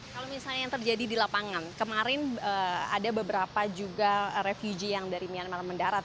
kalau misalnya yang terjadi di lapangan kemarin ada beberapa juga refugee yang dari myanmar mendarat